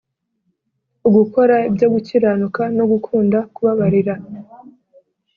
ugukora ibyo gukiranuka no gukunda kubabarira